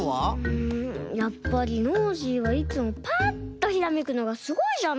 うんやっぱりノージーはいつもパッとひらめくのがすごいじゃないですか。